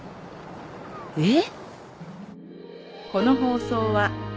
えっ？